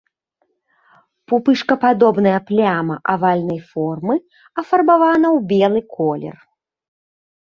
Пупышкападобная пляма авальнай формы афарбавана ў белы колер.